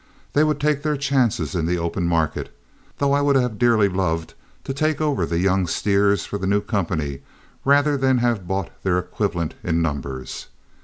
They would take their chances in the open market, though I would have dearly loved to take over the young steers for the new company rather than have bought their equivalent in numbers.